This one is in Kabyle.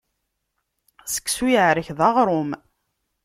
Seksu yeɛrek d aɣrum.